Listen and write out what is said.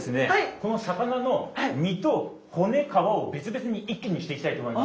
この魚の身と骨皮を別々に一気にしていきたいと思います。